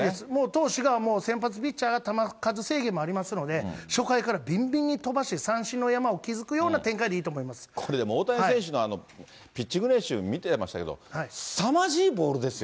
投手が先発ピッチャーが球数制限もありますので、初回からびんびんに飛ばして三振の山を築くような展開でいいと思これでも、大谷選手のピッチング練習見てましたけど、すさまじいボールですよ。